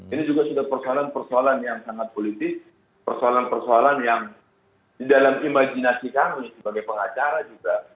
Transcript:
ini juga sudah persoalan persoalan yang sangat politis persoalan persoalan yang di dalam imajinasi kami sebagai pengacara juga